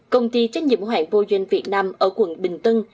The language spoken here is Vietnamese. công ty trách nhiệm hữu hạng vô doanh việt nam ở quận bình tân